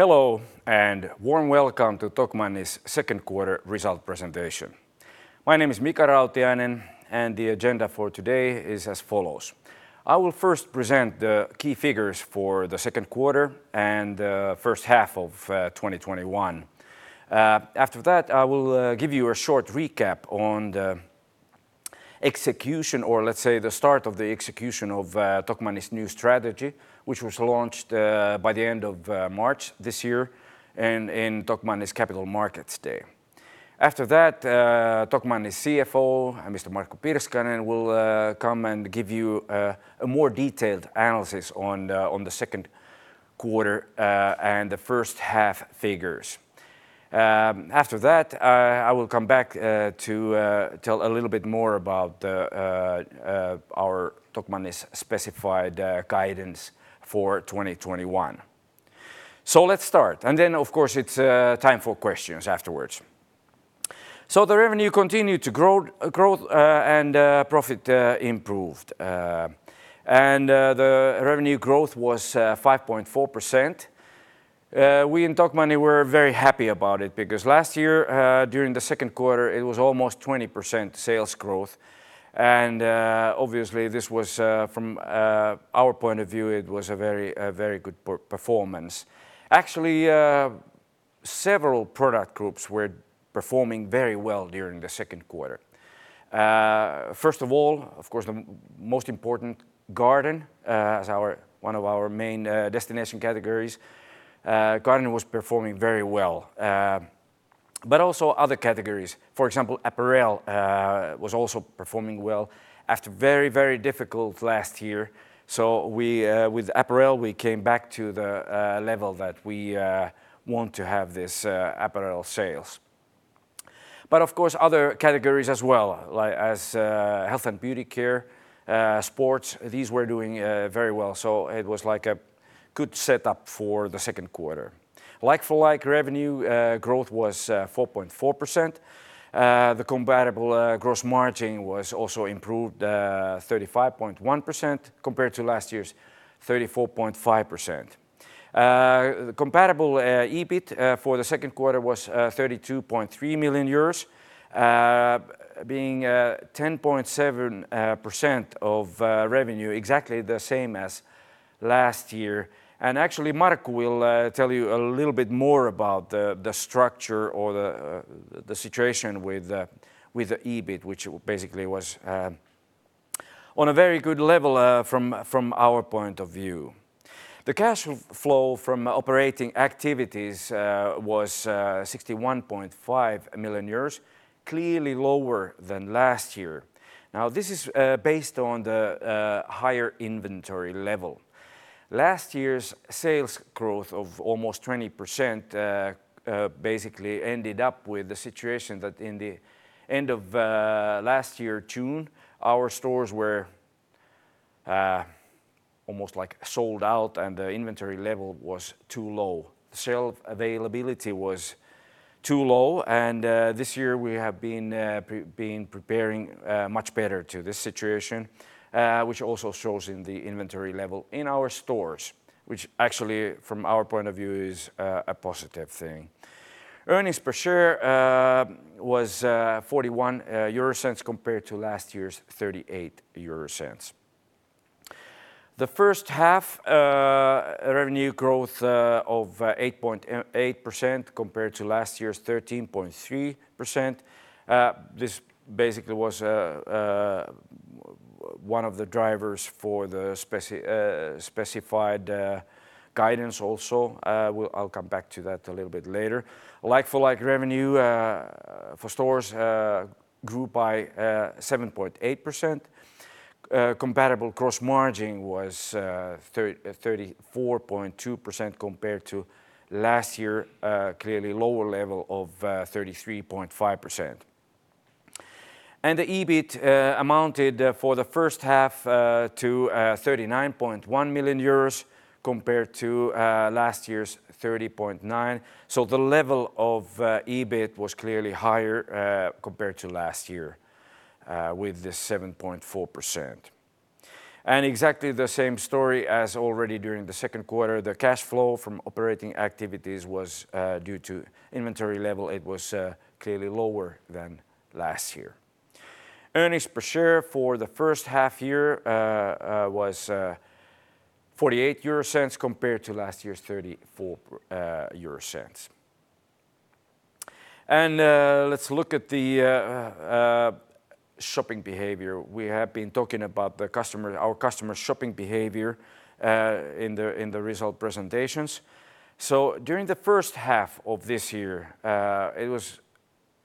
Warm welcome to Tokmanni's second quarter result presentation. My name is Mika Rautiainen. The agenda for today is as follows. I will first present the key figures for the second quarter and first half 2021. After that, I will give you a short recap on the execution, or let's say, the start of the execution of Tokmanni's new strategy, which was launched by the end of March this year in Tokmanni's Capital Markets Day. After that, Tokmanni's CFO, Mr. Markku Pirskanen, will come and give you a more detailed analysis on the second quarter and the first half figures. After that, I will come back to tell a little bit more about our Tokmanni's specified guidance for 2021. Let's start. Then, of course, it's time for questions afterwards. The revenue continued to grow and profit improved. The revenue growth was 5.4%. We in Tokmanni were very happy about it because last year, during the second quarter, it was almost 20% sales growth. Obviously this was, from our point of view, a very good performance. Actually, several product groups were performing very well during the second quarter. First of all, of course, the most important, garden, as one of our main destination categories. Garden was performing very well. Also other categories. For example, apparel was also performing well after a very difficult last year. With apparel, we came back to the level that we want to have this apparel sales. Of course, other categories as well, like health and beauty care, sports, these were doing very well. It was a good setup for the second quarter. Like-for-like revenue growth was 4.4%. The comparable gross margin was also improved 35.1% compared to last year's 34.5%. Comparable EBIT for the second quarter was 32.3 million euros, being 10.7% of revenue, exactly the same as last year. Actually, Markku will tell you a little bit more about the structure or the situation with the EBIT, which basically was on a very good level from our point of view. The cash flow from operating activities was 61.5 million euros, clearly lower than last year. Now, this is based on the higher inventory level. Last year's sales growth of almost 20% basically ended up with the situation that in the end of last year, June, our stores were almost sold out, and the inventory level was too low. The shelf availability was too low, and this year we have been preparing much better to this situation, which also shows in the inventory level in our stores, which actually, from our point of view, is a positive thing. Earnings per share was 0.41 compared to last year's 0.38. The first half revenue growth of 8.8% compared to last year's 13.3%. This basically was one of the drivers for the specified guidance also. I'll come back to that a little bit later. Like-for-like revenue for stores grew by 7.8%. Comparable gross margin was 34.2% compared to last year, clearly lower level of 33.5%. The EBIT amounted for the first half to 39.1 million euros compared to last year's 30.9 million. The level of EBIT was clearly higher compared to last year with this 7.4%. Exactly the same story as already during the second quarter, the cash flow from operating activities was due to inventory level. It was clearly lower than last year. Earnings per share for the first half year was 0.48 compared to last year's 0.34. Let's look at the shopping behavior. We have been talking about our customer shopping behavior in the result presentations. During the first half of this year, it was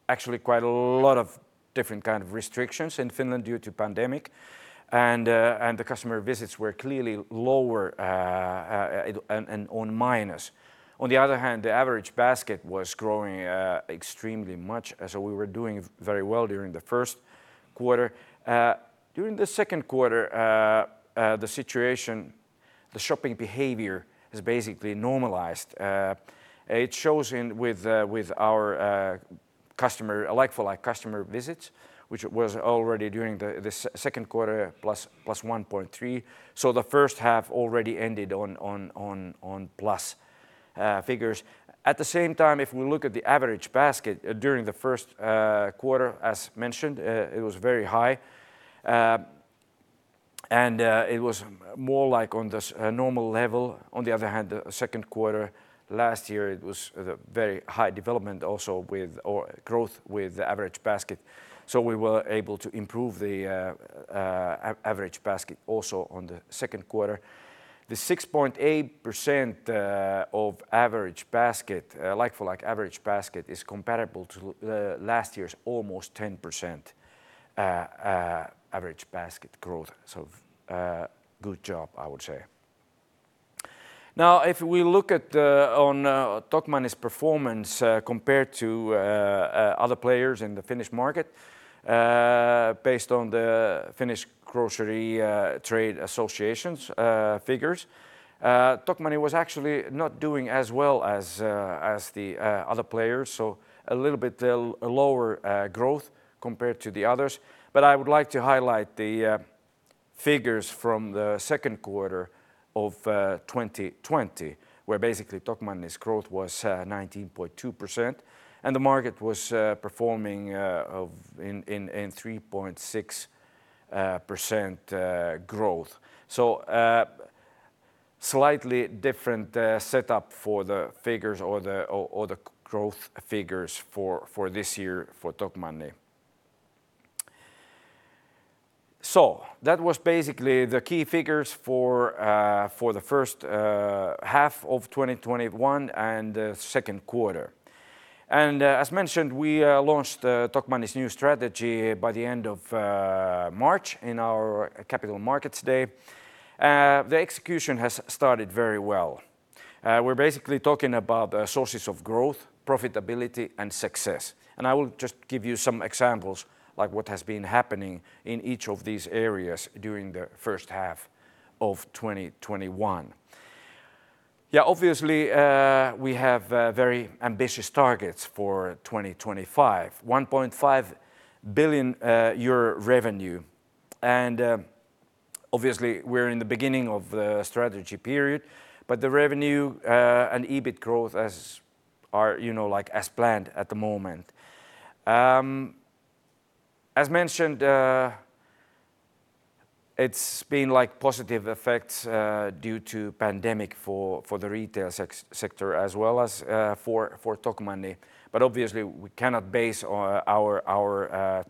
actually quite a lot of different kind of restrictions in Finland due to pandemic, and the customer visits were clearly lower and on minus. On the other hand, the average basket was growing extremely much, so we were doing very well during the first quarter. During the second quarter, the situation, the shopping behavior has basically normalized. It shows in our like-for-like customer visits, which was already during the second quarter +1.3. The first half already ended on plus figures. At the same time, if we look at the average basket during the first quarter, as mentioned, it was very high. It was more on the normal level. On the other hand, the second quarter last year, it was very high development also with growth with the average basket. We were able to improve the average basket also on the second quarter. The 6.8% of like-for-like average basket is comparable to last year's almost 10% average basket growth. Good job, I would say. Now, if we look at Tokmanni's performance compared to other players in the Finnish market based on the Finnish Grocery Trade Association's figures, Tokmanni was actually not doing as well as the other players. A little bit lower growth compared to the others. I would like to highlight the figures from the second quarter of 2020, where basically Tokmanni's growth was 19.2% and the market was performing in 3.6% growth. Slightly different setup for the figures or the growth figures for this year for Tokmanni. That was basically the key figures for the first half of 2021 and the second quarter. As mentioned, we launched Tokmanni's new strategy by the end of March in our Capital Markets Day. The execution has started very well. We're basically talking about sources of growth, profitability, and success. I will just give you some examples, like what has been happening in each of these areas during the first half of 2021. Obviously, we have very ambitious targets for 2025, 1.5 billion euro revenue. Obviously, we're in the beginning of the strategy period, but the revenue and EBIT growth as planned at the moment. As mentioned, it's been positive effects due to pandemic for the retail sector as well as for Tokmanni. Obviously, we cannot base our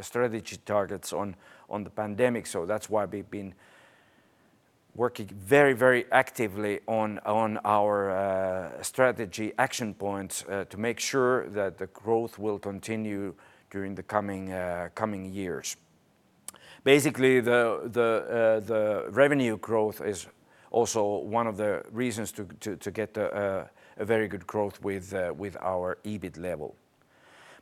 strategy targets on the pandemic. That's why we've been working very actively on our strategy action points to make sure that the growth will continue during the coming years. Basically, the revenue growth is also one of the reasons to get a very good growth with our EBIT level.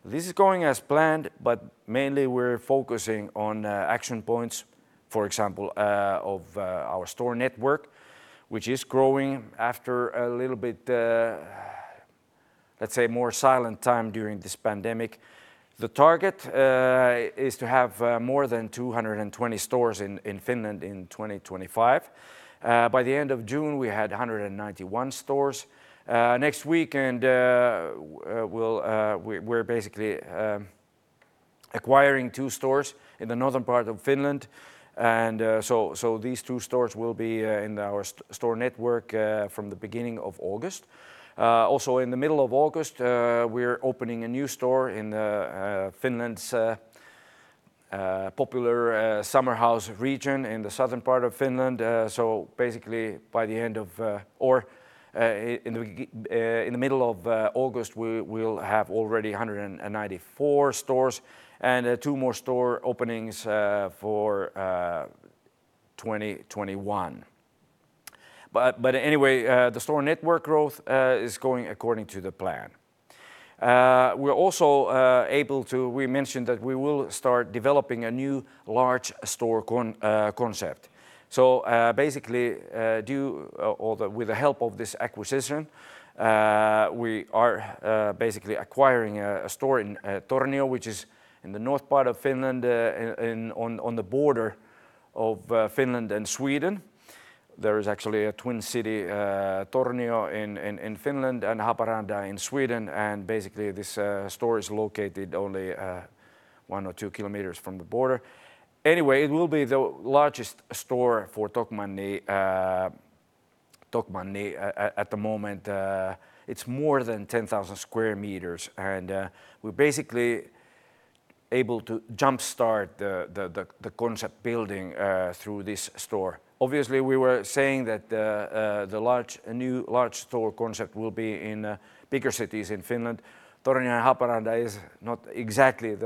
This is going as planned, but mainly we're focusing on action points, for example of our store network, which is growing after a little bit, let's say, more silent time during this pandemic. The target is to have more than 220 stores in Finland in 2025. By the end of June, we had 191 stores. Next week, we're basically acquiring two stores in the northern part of Finland. These two stores will be in our store network from the beginning of August. In the middle of August, we're opening a new store in Finland's popular summer house region in the southern part of Finland. Basically in the middle of August, we'll have already 194 stores and two more store openings for 2021. Anyway, the store network growth is going according to the plan. We mentioned that we will start developing a new large store concept. Basically with the help of this acquisition, we are basically acquiring a store in Tornio, which is in the north part of Finland on the border of Finland and Sweden. There is actually a twin city, Tornio in Finland and Haparanda in Sweden, and basically this store is located only 1 km or 2 km from the border. It will be the largest store for Tokmanni at the moment. It's more than 10,000 sq m, and we're basically able to jumpstart the concept building through this store. Obviously, we were saying that the new large store concept will be in bigger cities in Finland. Tornio-Haparanda is not exactly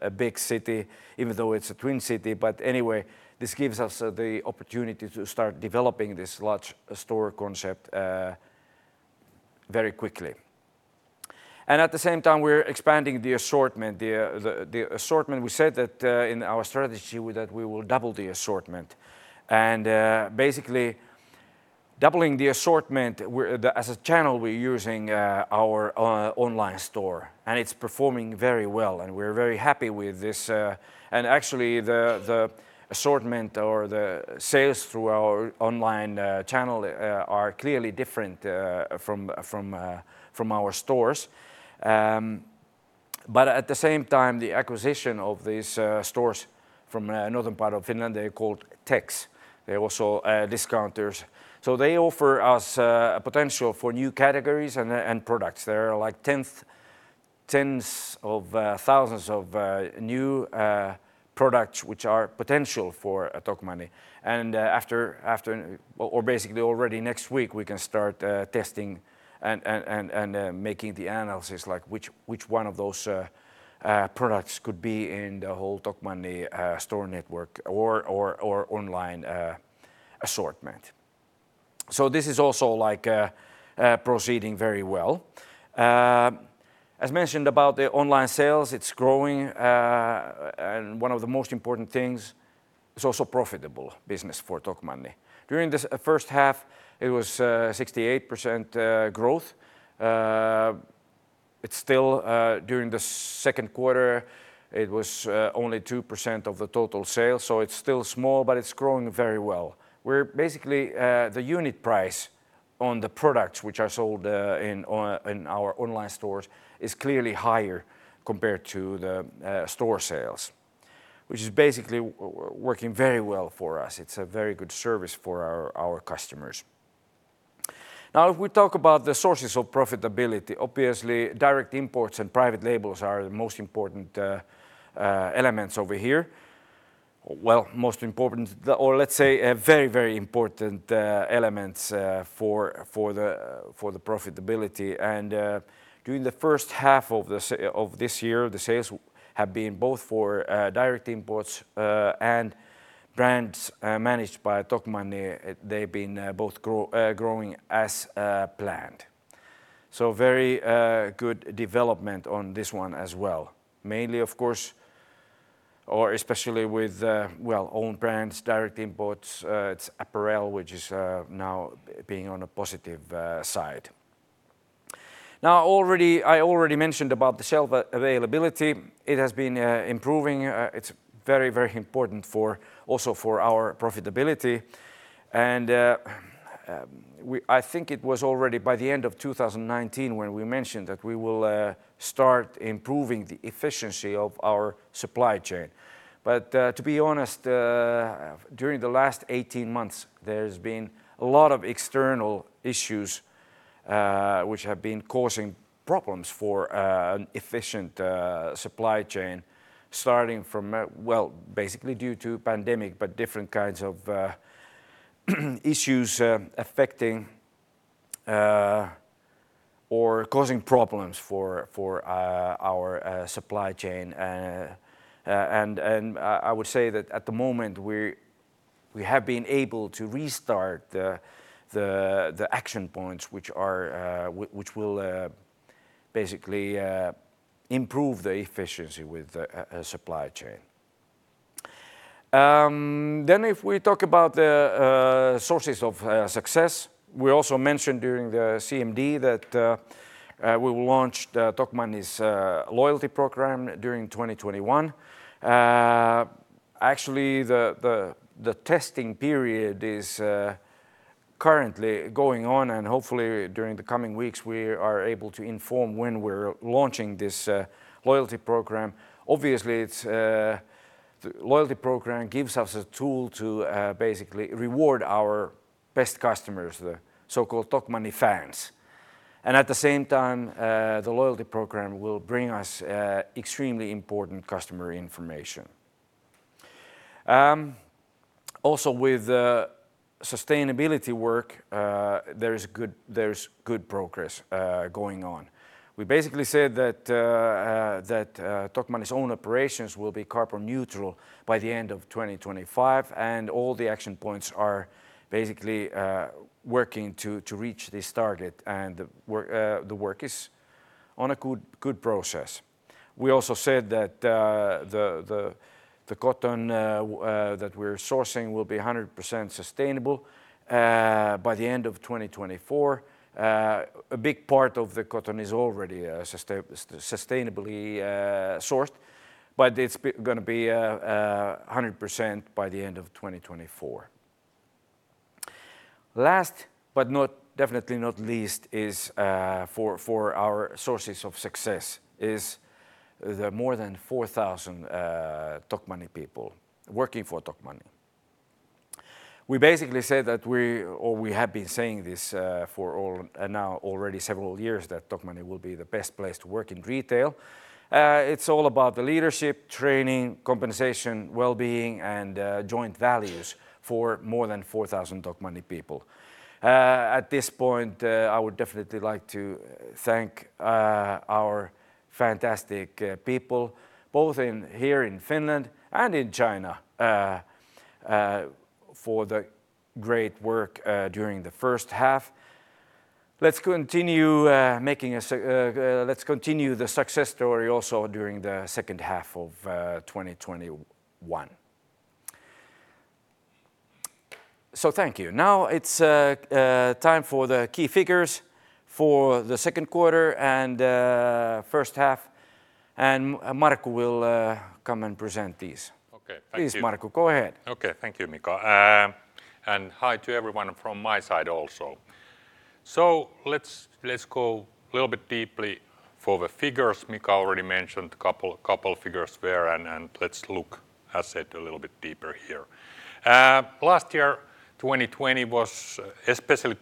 a big city, even though it's a twin city. Anyway, this gives us the opportunity to start developing this large store concept very quickly. At the same time, we're expanding the assortment. We said that in our strategy that we will double the assortment. Basically doubling the assortment as a channel we're using our online store and it's performing very well and we're very happy with this. Actually the assortment or the sales through our online channel are clearly different from our stores. At the same time, the acquisition of these stores from northern part of Finland, they're called TEX. They're also discounters. They offer us a potential for new categories and products. There are tens of thousands of new products which are potential for Tokmanni. Basically already next week we can start testing and making the analysis like which one of those products could be in the whole Tokmanni store network or online assortment. This is also proceeding very well. As mentioned about the online sales, it's growing, and one of the most important things it's also profitable business for Tokmanni. During this first half, it was 68% growth. During the second quarter, it was only 2% of the total sale. It's still small, but it's growing very well. Basically, the unit price on the products which are sold in our online stores is clearly higher compared to the store sales, which is basically working very well for us. It's a very good service for our customers. If we talk about the sources of profitability, obviously direct imports and private labels are the most important elements over here. Well, most important or let's say very important elements for the profitability. During the first half of this year, the sales have been both for direct imports and brands managed by Tokmanni. They've been both growing as planned. Very good development on this one as well. Mainly, of course, or especially with own brands, direct imports, it's apparel which is now being on a positive side. I already mentioned about the shelf availability. It has been improving. It's very important also for our profitability and I think it was already by the end of 2019 when we mentioned that we will start improving the efficiency of our supply chain. To be honest, during the last 18 months, there's been a lot of external issues which have been causing problems for an efficient supply chain, starting from, basically due to pandemic, but different kinds of issues affecting or causing problems for our supply chain. I would say that at the moment we have been able to restart the action points which will basically improve the efficiency with the supply chain. If we talk about sources of success, we also mentioned during the CMD that we will launch the Tokmanni's loyalty program during 2021. Actually, the testing period is currently going on and hopefully during the coming weeks we are able to inform when we're launching this loyalty program. Obviously, loyalty program gives us a tool to basically reward our best customers, the so-called Tokmanni fans. At the same time, the loyalty program will bring us extremely important customer information. Also with sustainability work, there's good progress going on. We basically said that Tokmanni's own operations will be carbon neutral by the end of 2025, and all the action points are basically working to reach this target and the work is on a good process. We also said that the cotton that we're sourcing will be 100% sustainable by the end of 2024. A big part of the cotton is already sustainably sourced, but it's going to be 100% by the end of 2024. Last, but definitely not least for our sources of success is the more than 4,000 Tokmanni people working for Tokmanni. We basically said that we, or we have been saying this for now already several years that Tokmanni will be the best place to work in retail. It's all about the leadership, training, compensation, well-being and joint values for more than 4,000 Tokmanni people. At this point, I would definitely like to thank our fantastic people, both here in Finland and in China for the great work during the first half. Let's continue the success story also during the second half of 2021. Thank you. Now it's time for the key figures for the second quarter and first half. Markku will come and present these. Okay. Thank you. Please, Markku, go ahead. Okay. Thank you, Mika. Hi to everyone from my side also. Let's go a little bit deeply for the figures. Mika already mentioned a couple figures there, and let's look, as said, a little bit deeper here. Last year, 2020, especially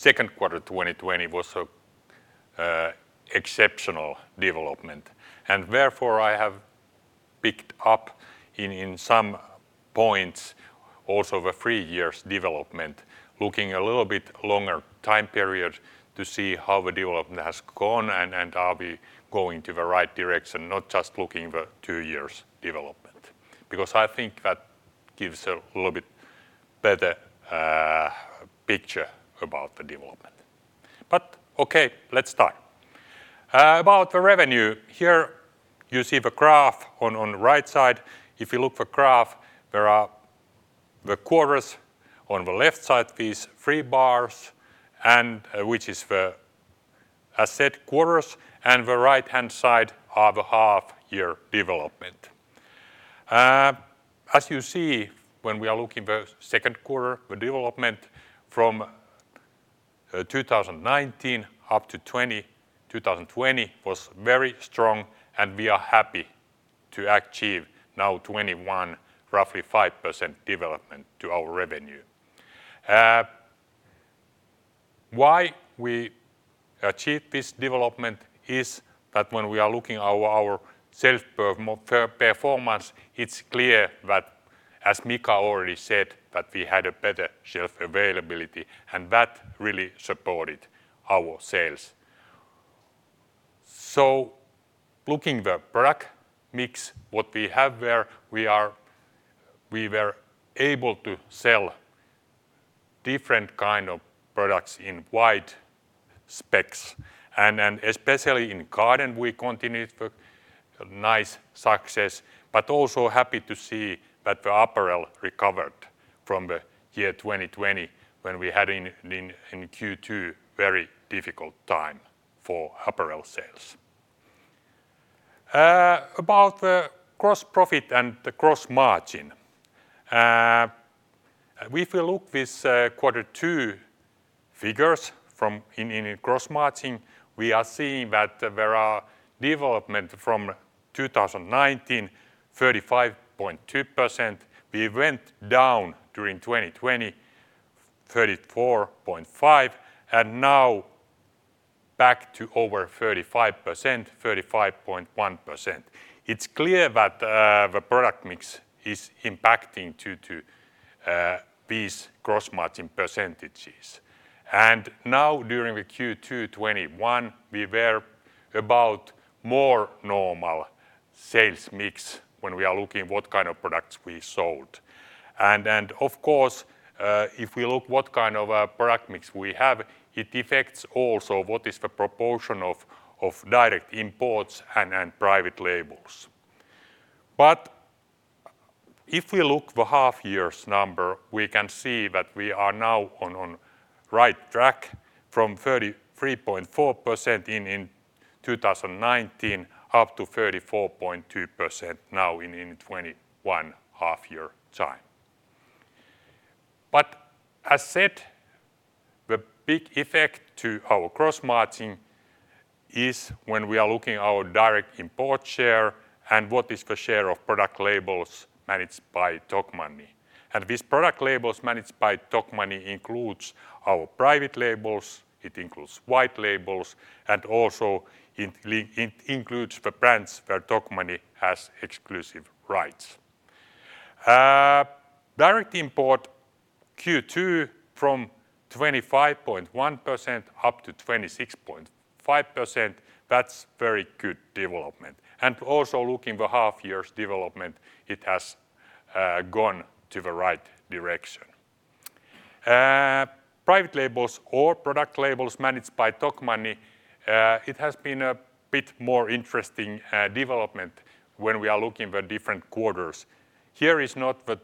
second quarter 2020, was an exceptional development. Therefore, I have picked up in some points also the three years development, looking a little bit longer time period to see how the development has gone and are we going to the right direction, not just looking the two years development. I think that gives a little bit better picture about the development. Okay, let's start. About the revenue, here you see the graph on the right side. If you look the graph, there are the quarters on the left side, these three bars which is the asset quarters, and the right-hand side are the half year development. As you see, when we are looking the second quarter, the development from 2019 up to 2020 was very strong, and we are happy to achieve now 2021 roughly 5% development to our revenue. Why we achieved this development is that when we are looking our sales performance, it's clear that, as Mika already said, that we had a better shelf availability and that really supported our sales. Looking the product mix, what we have there, we were able to sell different kind of products in wide specs and especially in garden we continued the nice success, but also happy to see that the apparel recovered from the year 2020 when we had in Q2 very difficult time for apparel sales. About the gross profit and the gross margin. If we look this quarter two figures in gross margin, we are seeing that there are development from 2019, 35.2%. We went down during 2020, 34.5%, now back to over 35%, 35.1%. It's clear that the product mix is impacting to these gross margin percentages. Now during the Q2 2021, we were about more normal sales mix when we are looking what kind of products we sold. Of course, if we look what kind of product mix we have, it affects also what is the proportion of direct imports and private labels. If we look the half year's number, we can see that we are now on right track from 33.4% in 2019 up to 34.2% now in 2021 half year time. As said, the big effect to our gross margin is when we are looking our direct import share and what is the share of product labels managed by Tokmanni. These product labels managed by Tokmanni includes our private labels, it includes white labels, and also it includes the brands where Tokmanni has exclusive rights. Direct import Q2 from 25.1% up to 26.5%. That's very good development. Also looking the half year's development, it has gone to the right direction. Private labels or product labels managed by Tokmanni, it has been a bit more interesting development when we are looking the different quarters. Here is not the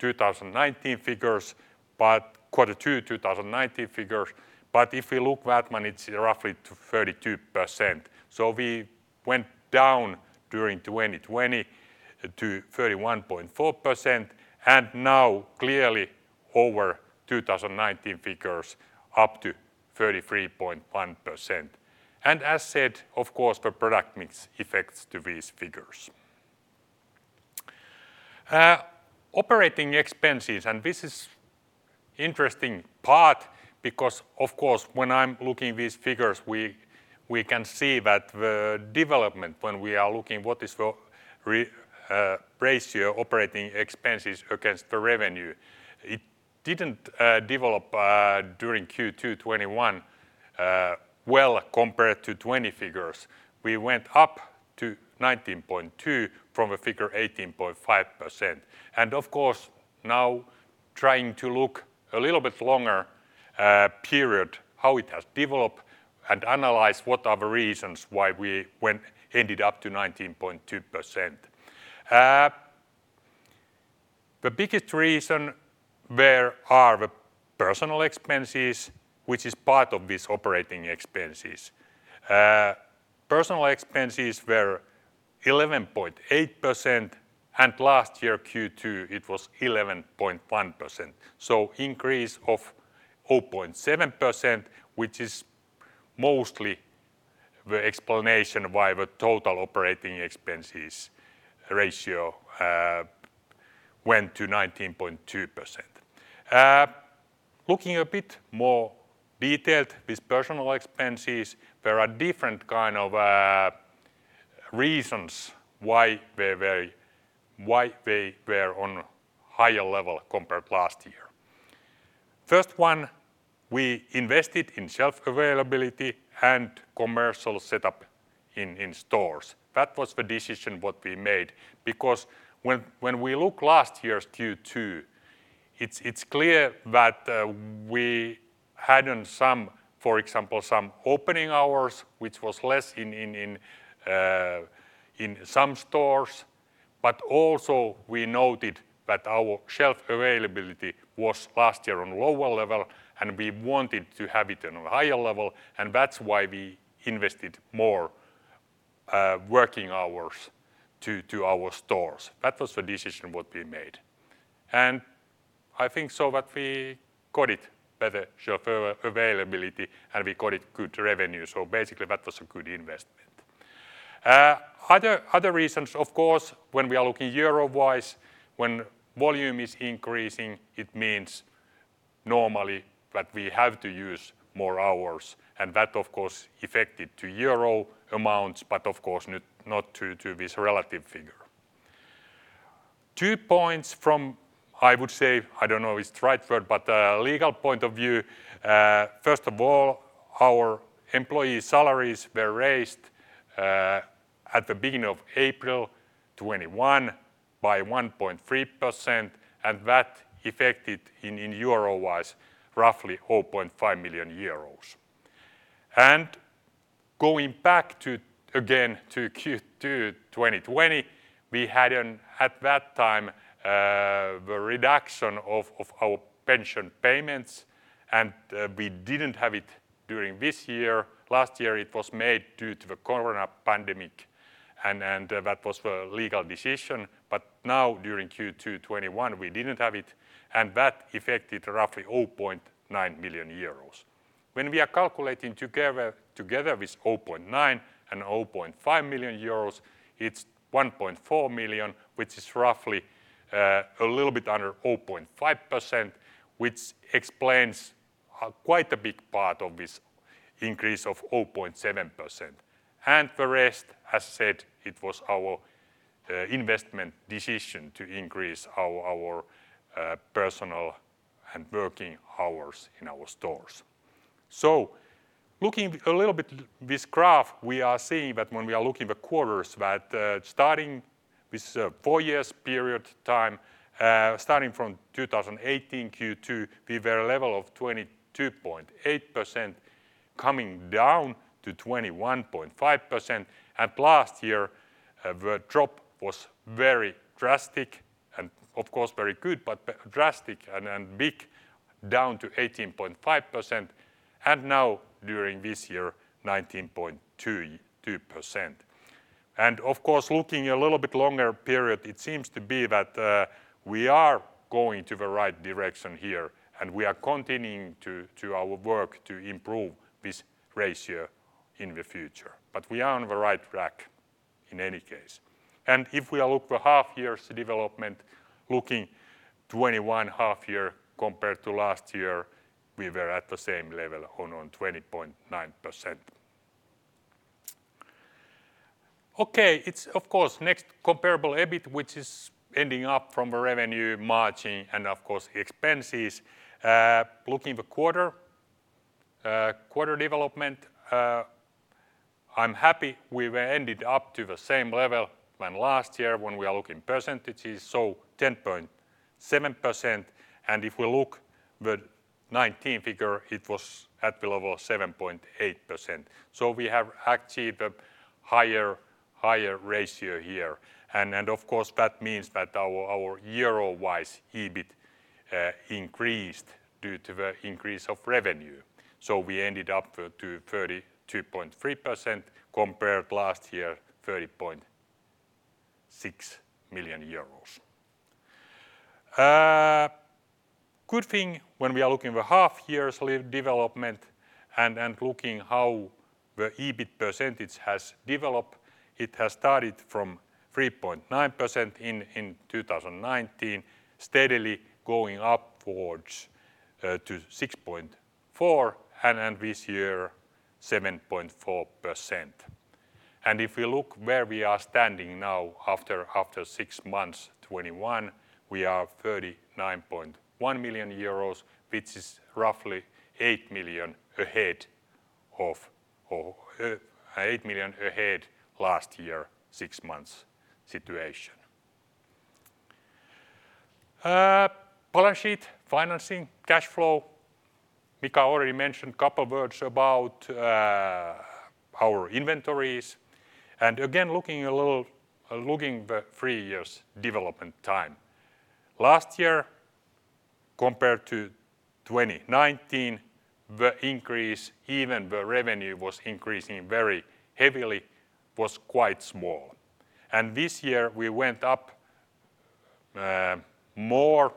2019 figures, but quarter two 2019 figures, but if we look that one, it is roughly 32%. We went down during 2020 to 31.4%, and now clearly over 2019 figures, up to 33.1%. As said, of course, the product mix affects these figures. Operating expenses, and this is interesting part because, of course, when I am looking these figures, we can see that the development when we are looking what is the ratio operating expenses against the revenue. It didn't develop during Q2 2021 well compared to 2020 figures. We went up to 19.2% from a figure 18.5%. Of course, now trying to look a little bit longer period how it has developed and analyze what are the reasons why we ended up to 19.2%. The biggest reason were the personal expenses, which is part of this operating expenses. Personal expenses were 11.8%, and last year, Q2, it was 11.1%. Increase of 0.7%, which is mostly the explanation why the total operating expenses ratio went to 19.2%. Looking a bit more detailed, these personal expenses, there are different kind of reasons why they were on higher level compared to last year. First one, we invested in shelf availability and commercial setup in stores. That was the decision what we made because when we look last year's Q2, it's clear that we had, for example, some opening hours, which was less in some stores. Also we noted that our shelf availability was last year on lower level, and we wanted to have it on a higher level, and that's why we invested more working hours to our stores. That was the decision what we made. I think so that we got it better shelf availability, and we got it good revenue. Basically that was a good investment. Other reasons, of course, when we are looking euro-wise, when volume is increasing, it means normally that we have to use more hours, and that of course affected to euro amounts, but of course not to this relative figure. Two points from, I would say, I don't know it's the right word, but legal point of view. First of all, our employee salaries were raised at the beginning of April 2021 by 1.3%, and that affected in euro-wise roughly 0.5 million euros. Going back again to Q2 2020, we had at that time the reduction of our pension payments, and we didn't have it during this year. Last year it was made due to the corona pandemic, and that was the legal decision. Now during Q2 2021, we didn't have it, and that affected roughly 0.9 million euros. When we are calculating together with 0.9 million and 0.5 million euros, it's 1.4 million, which is roughly a little bit under 0.5%, which explains quite a big part of this increase of 0.7%. The rest, as said, it was our investment decision to increase our personal and working hours in our stores. Looking a little bit this graph, we are seeing that when we are looking the quarters that starting this four years period time, starting from 2018 Q2, we were level of 22.8% coming down to 21.5%. Last year, the drop was very drastic and of course very good, but drastic and big down to 18.5%. Now during this year, 19.2%. Of course, looking a little bit longer period, it seems to be that we are going to the right direction here, and we are continuing to our work to improve this ratio in the future. We are on the right track in any case. If we look the half year's development, looking 2021 half year compared to last year, we were at the same level on 20.9%. Okay. It's of course comparable EBIT, which is ending up from the revenue margin and of course expenses. Looking the quarter development, I'm happy we were ended up to the same level when last year when we are looking percentages, so 10.7%. If we look the 2019 figure, it was at the level of 7.8%. We have achieved a higher ratio here. Of course, that means that our euro-wise EBIT increased due to the increase of revenue. We ended up to 32.3% compared last year, 30.6 million euros. Good thing when we are looking the half year's development and looking how the EBIT percentage has developed, it has started from 3.9% in 2019, steadily going upwards to 6.4%, and this year 7.4%. If we look where we are standing now after six months 2021, we are 39.1 million euros, which is roughly 8 million ahead last year, six months' situation. Balance sheet, financing, cash flow. Mika already mentioned a couple words about our inventories. Again, looking the three years development time. Last year compared to 2019, the increase, even the revenue was increasing very heavily, was quite small. This year we went up more,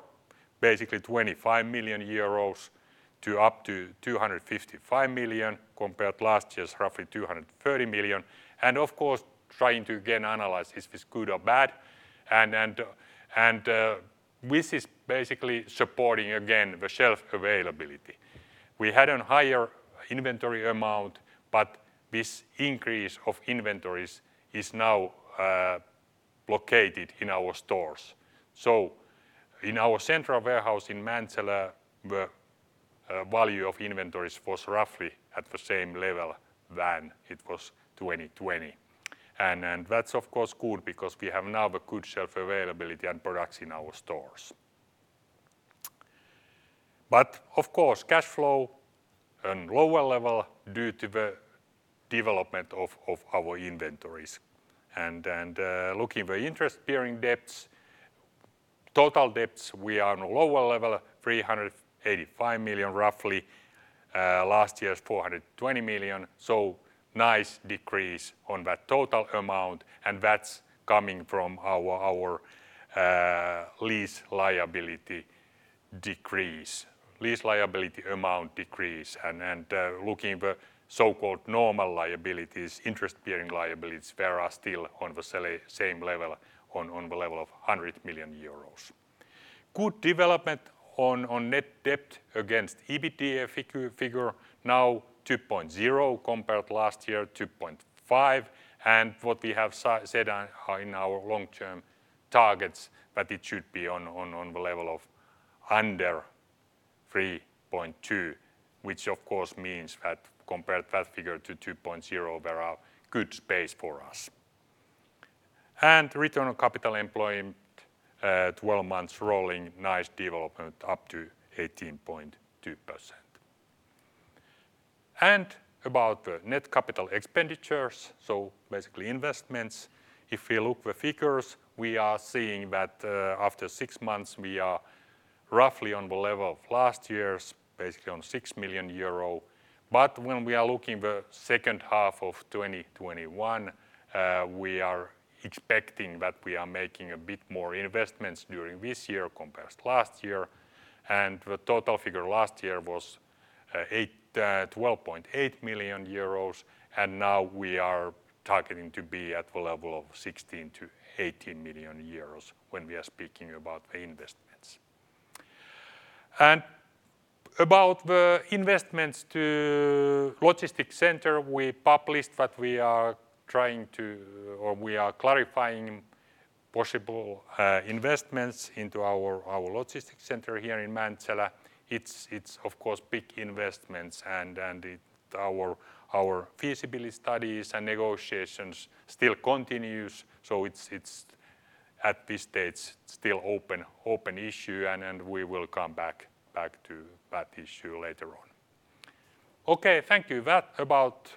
basically 25 million euros to up to 255 million compared to last year's roughly 230 million. Of course, trying to again analyze is this good or bad? This is basically supporting again the shelf availability. We had a higher inventory amount, but this increase of inventories is now located in our stores. In our central warehouse in Mäntsälä, the value of inventories was roughly at the same level than it was 2020. That's of course good because we have now a good shelf availability and products in our stores. Of course, cash flow and lower level due to the development of our inventories. Looking the interest-bearing debts, total debts, we are on a lower level, roughly 385 million. Last year's 420 million, so nice decrease on that total amount, and that's coming from our lease liability decrease. Lease liability amount decrease. Looking the so-called normal liabilities, interest-bearing liabilities, they are still on the same level, on the level of 100 million euros. Good development on net debt to EBITDA figure. Now 2.0 compared to last year, 2.5. What we have said in our long-term targets, that it should be on the level of under 3.2, which of course means that compared that figure to 2.0, there are good space for us. Return on capital employed at 12 months rolling, nice development up to 18.2%. About the net capital expenditures, so basically investments. If we look the figures, we are seeing that after six months, we are roughly on the level of last year's, basically on 6 million euro. When we are looking the second half of 2021, we are expecting that we are making a bit more investments during this year compared to last year. The total figure last year was 12.8 million euros, and now we are targeting to be at the level of 16 million-18 million euros when we are speaking about the investments. About the investments to logistics center, we published that we are trying to, or we are clarifying possible investments into our logistics center here in Mäntsälä. It's of course big investments, and our feasibility studies and negotiations still continues. It's at this stage still open issue, and we will come back to that issue later on. Okay. Thank you. That about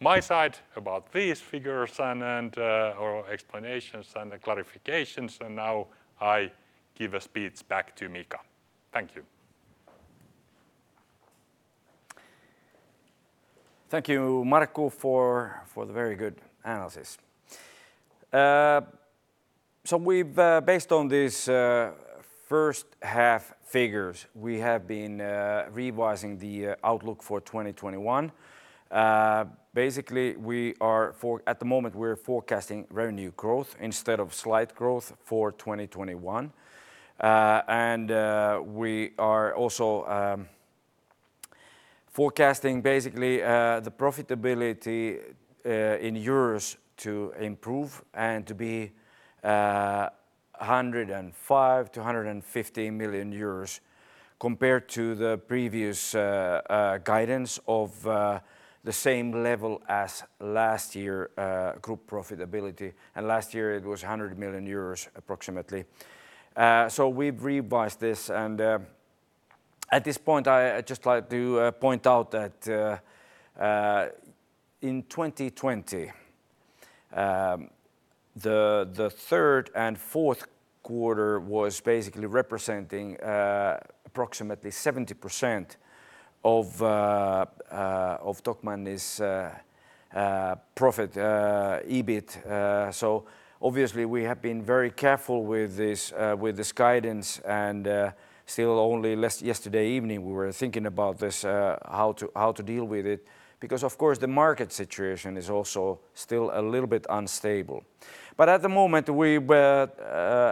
my side about these figures and our explanations and clarifications. Now I give the speech back to Mika. Thank you. Thank you, Markku, for the very good analysis. Based on these first half figures, we have been revising the outlook for 2021. Basically, at the moment, we're forecasting revenue growth instead of slight growth for 2021. We are also forecasting basically the profitability in euros to improve and to be 105 million-115 million euros compared to the previous guidance of the same level as last year group profitability. Last year it was 100 million euros approximately. We've revised this, and at this point, I'd just like to point out that in 2020, the third and fourth quarter was basically representing approximately 70% of Tokmanni's profit EBIT. Obviously we have been very careful with this guidance and still only yesterday evening we were thinking about this, how to deal with it, because of course the market situation is also still a little bit unstable. At the moment,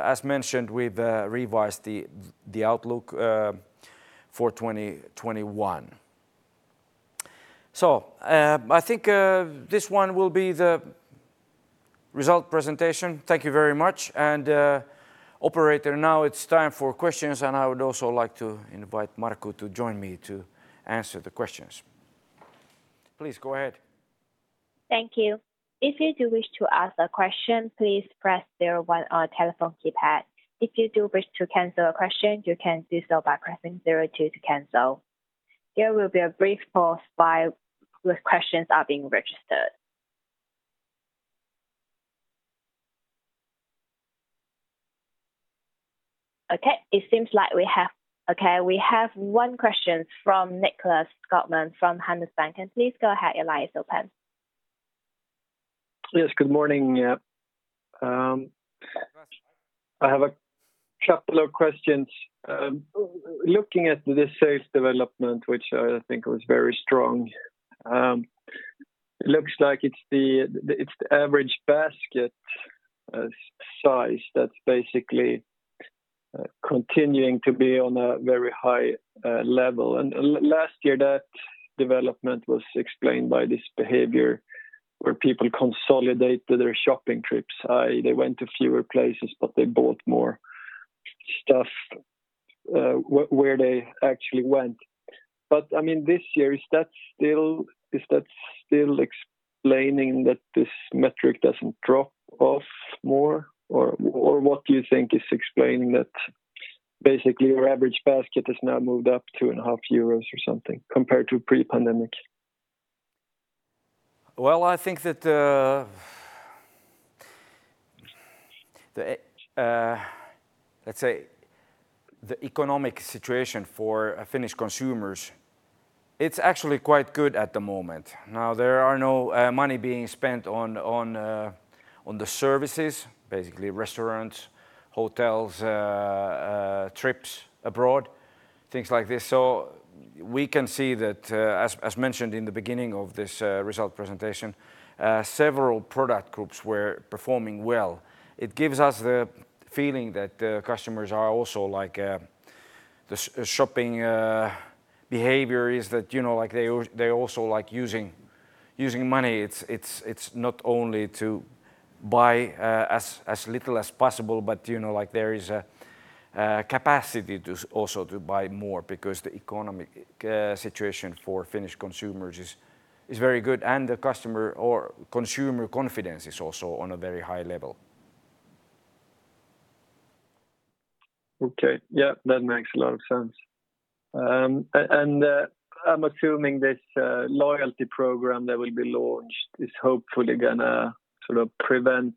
as mentioned, we've revised the outlook for 2021. I think this one will be the result presentation. Thank you very much. Operator, now it's time for questions, and I would also like to invite Markku to join me to answer the questions. Please go ahead. Thank you. If you do wish to ask a question, please press zero one on your telephone keypad. If you do wish to cancel a question, you can do so by pressing zero two to cancel. There will be a brief pause while questions are being registered. Okay, it seems like we have one question from Nicklas Skogman from Handelsbanken. Please go ahead, your line is open. Yes, good morning. I have a couple of questions. Looking at this sales development, which I think was very strong. It looks like it's the average basket size that's basically continuing to be on a very high level. Last year that development was explained by this behavior where people consolidated their shopping trips. They went to fewer places, but they bought more stuff where they actually went. This year, is that still explaining that this metric doesn't drop off more? What do you think is explaining that basically your average basket has now moved up 2.5 euros or something compared to pre-pandemic? Well, I think that let's say the economic situation for Finnish consumers, it's actually quite good at the moment. Now there are no money being spent on the services, basically restaurants, hotels, trips abroad, things like this. We can see that, as mentioned in the beginning of this result presentation, several product groups were performing well. It gives us the feeling that customers are also like the shopping behavior is that they also like using money. It's not only to buy as little as possible, but there is a capacity to also to buy more because the economic situation for Finnish consumers is very good, and the customer or consumer confidence is also on a very high level. Okay. Yeah, that makes a lot of sense. I'm assuming this loyalty program that will be launched is hopefully going to sort of prevent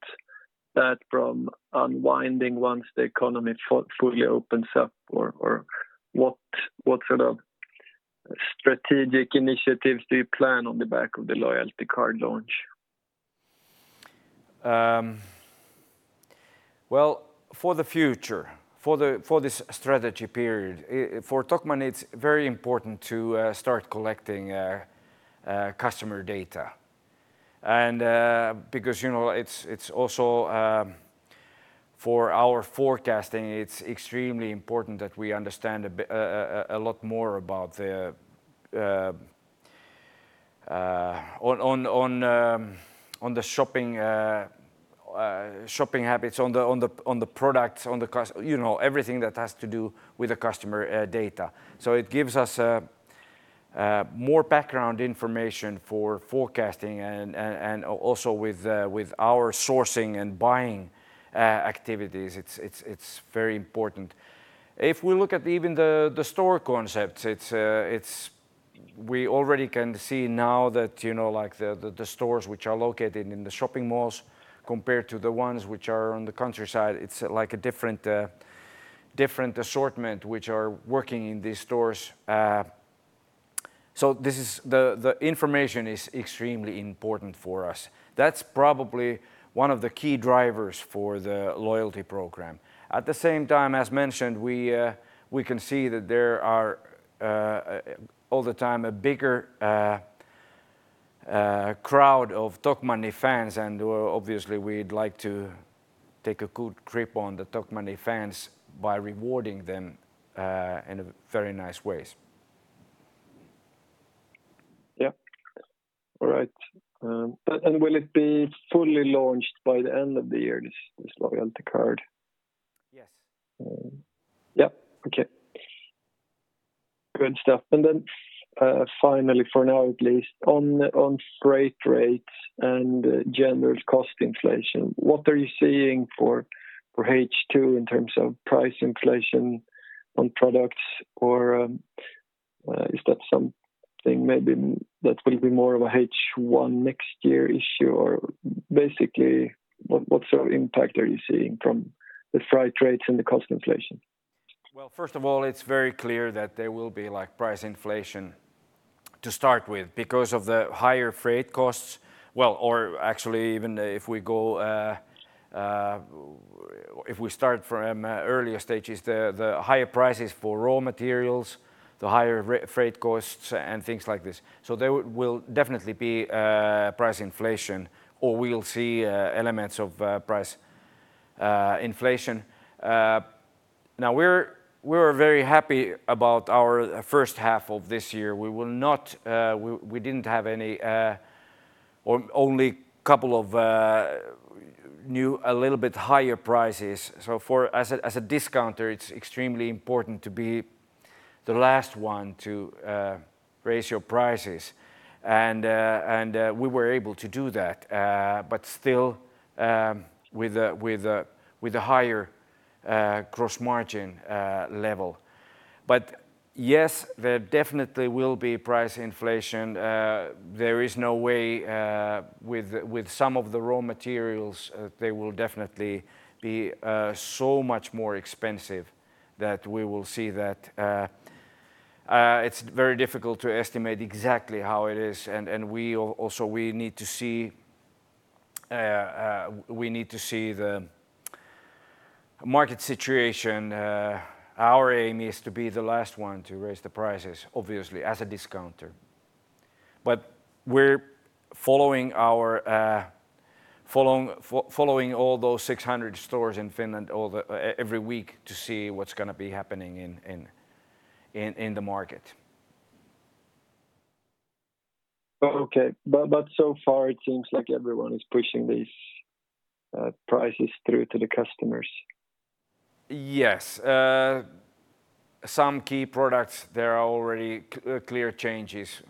that from unwinding once the economy fully opens up. What sort of strategic initiatives do you plan on the back of the loyalty card launch? Well, for the future, for this strategy period, for Tokmanni, it's very important to start collecting customer data and because it's also for our forecasting, it's extremely important that we understand a lot more about on the shopping habits on the products, on everything that has to do with the customer data. It gives us more background information for forecasting and also with our sourcing and buying activities. It's very important. If we look at even the store concepts, we already can see now that the stores which are located in the shopping malls compared to the ones which are on the countryside, it's like a different assortment which are working in these stores. The information is extremely important for us. That's probably one of the key drivers for the loyalty program. At the same time, as mentioned, we can see that there are all the time a bigger crowd of Tokmanni fans. Obviously we'd like to take a good grip on the Tokmanni fans by rewarding them in very nice ways. Yep. All right. Will it be fully launched by the end of the year, this loyalty card? Yes. Yep. Okay. Good stuff. Finally, for now at least, on freight rates and general cost inflation, what are you seeing for H2 in terms of price inflation on products? Is that something maybe that will be more of a H1 next year issue? Basically, what sort of impact are you seeing from the freight rates and the cost inflation? Well, first of all, it's very clear that there will be price inflation to start with because of the higher freight costs. Well, or actually even if we start from earlier stages, the higher prices for raw materials, the higher freight costs and things like this. There will definitely be price inflation, or we'll see elements of price inflation. We're very happy about our first half of this year. We didn't have only a couple of new, a little bit higher prices. As a discounter, it's extremely important to be the last one to raise your prices. We were able to do that but still with a higher gross margin level. Yes, there definitely will be price inflation. There is no way with some of the raw materials, they will definitely be so much more expensive that we will see that. It's very difficult to estimate exactly how it is. We also need to see the market situation. Our aim is to be the last one to raise the prices, obviously, as a discounter. We're following all those 600 stores in Finland every week to see what's going to be happening in the market. Okay. So far it seems like everyone is pushing these prices through to the customers. Yes. Some key products, there are already clear changes.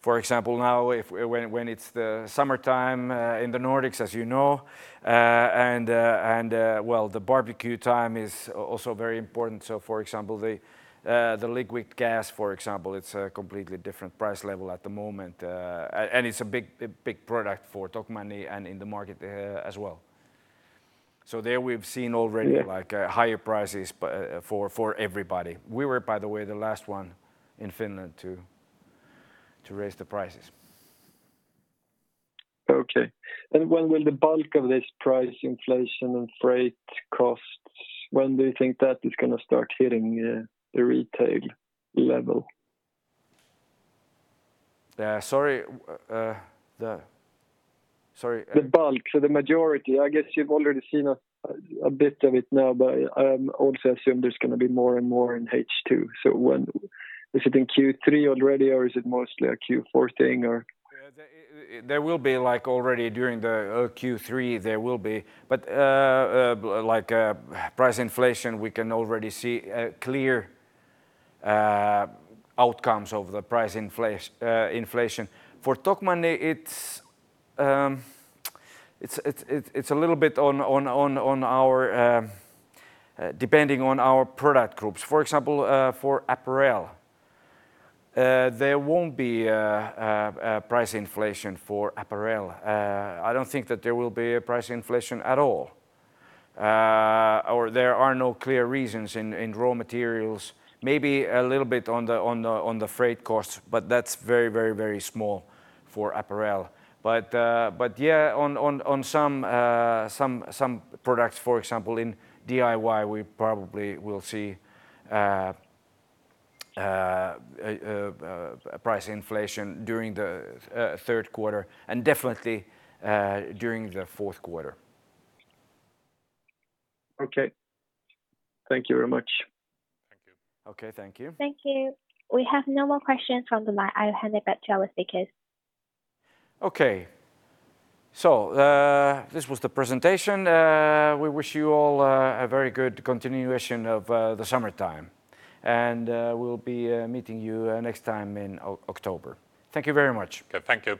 For example, now when it's the summertime in the Nordics, as you know, and the barbecue time is also very important. For example the liquid gas, for example, it's a completely different price level at the moment. It's a big product for Tokmanni and in the market as well. There we've seen already higher prices for everybody. We were, by the way, the last one in Finland to raise the prices. Okay. When will the bulk of this price inflation and freight costs, when do you think that is going to start hitting the retail level? Sorry. The Sorry. The bulk, so the majority. I guess you've already seen a bit of it now, but I also assume there's going to be more and more in H2. When is it in Q3 already, or is it mostly a Q4 thing, or? There will be already during the Q3 there will be. Price inflation we can already see clear outcomes of the price inflation. For Tokmanni, it's a little bit depending on our product groups. For example, for apparel. There won't be a price inflation for apparel. I don't think that there will be a price inflation at all. There are no clear reasons in raw materials, maybe a little bit on the freight costs, but that's very, very, very small for apparel. Yeah, on some products, for example, in DIY, we probably will see a price inflation during the third quarter and definitely during the fourth quarter. Okay. Thank you very much. Thank you. Okay. Thank you. Thank you. We have no more questions from the line. I'll hand it back to our speakers. Okay. This was the presentation. We wish you all a very good continuation of the summertime. We'll be meeting you next time in October. Thank you very much. Okay. Thank you.